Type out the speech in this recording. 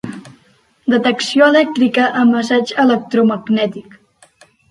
Detecció elèctrica amb assaig electromagnètic.